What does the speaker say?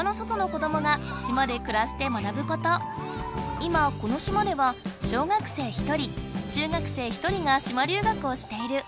今この島では小学生１人中学生１人が島留学をしている。